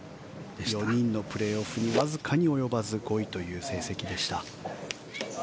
４人のプレーオフにわずかに及ばず５位という成績でした。